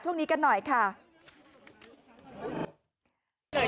เพราะว่ามันหลายนักเหมือนกัน